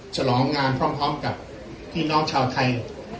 ฉลองงานพร้อมกับพี่น้องชาวไทย